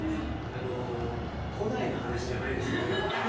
◆あの古代の話じゃないですよね。